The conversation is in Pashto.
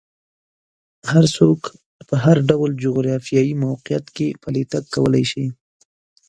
هر څوک په هر ډول جغرافیایي موقعیت کې پلی تګ کولی شي.